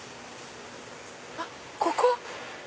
あっここ？